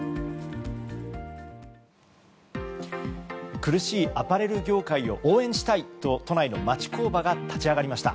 苦しいアパレル業界を応援したいと都内の町工場が立ち上がりました。